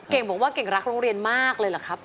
บอกว่าเก่งรักโรงเรียนมากเลยเหรอครับ